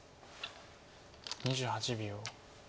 ２８秒。